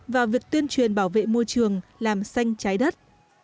và việc tuyên truyền bảo vệ môi trường làm xanh trái đất